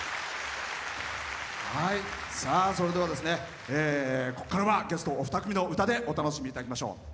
それでは、ここからはゲストお二組の歌でお楽しみいただきましょう。